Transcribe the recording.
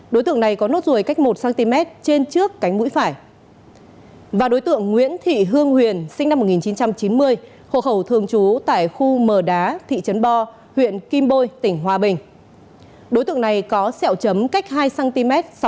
đối tượng này có sẹo chấm cách hai cm sau cánh mũi trái